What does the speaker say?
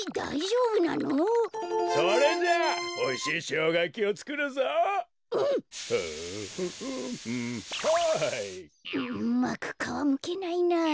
うまくかわむけないな。